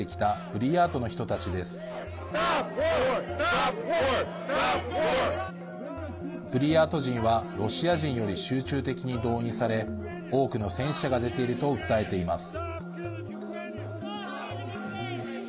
ブリヤート人はロシア人より集中的に動員され多くの戦死者が出ていると訴えています。